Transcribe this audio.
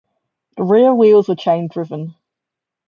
The rear wheels were chain driven.